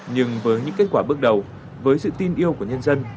nhưng với những kết quả bước đầu với sự tin yêu của nhân dân